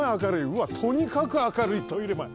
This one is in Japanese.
うわっとにかく明るいトイレまえ。